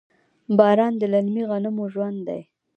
باران د للمي غنمو ژوند دی.